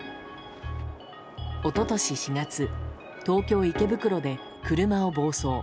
一昨年４月東京・池袋で車を暴走。